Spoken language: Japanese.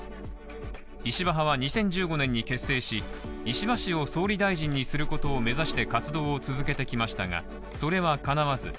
石破派は２０１５年に結成し、石破氏を総理大臣にすることを目指して活動を続けてきましたが、それは叶わず。